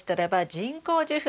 人工授粉。